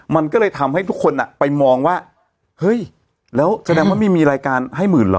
มันก็เลยทำให้ทุกคนไปมองว่าเฮ้ยแล้วแสดงว่าไม่มีรายการให้หมื่นเหรอ